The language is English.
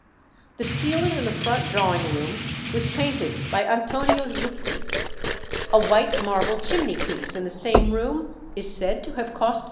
The ceiling in the front drawing room was painted by Antonio Zucchi. A white marble chimney piece in the same room is said to have cost £300.